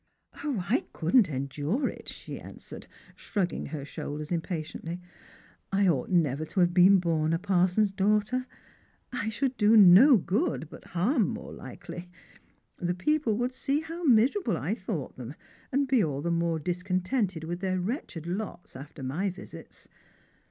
" I couldn't endure it," she answered, shrugging her shoulders impatiently ; "I ought never to have been born a parson's daughter. I should do no good, but harm more likely. The people would see hc'^ miserable I thought them, and be all the more discontented with their wretched lots after my visits.